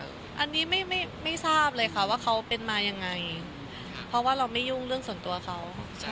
อันนี้ไม่ทราบเลยค่ะว่าเขาเป็นมายังไงเพราะว่าเราไม่ยุ่งเรื่องส่วนตัวเขา